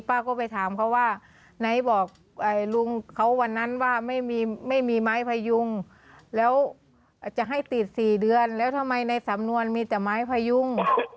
ป้าก็ไปถามเขาว่าไหนบอกลุงเขาวันนั้นว่าไม่มีไม้พยุงแล้วอาจจะให้ติด๔เดือนแล้วทำไมในสำนวนมีแต่ไม้พยุง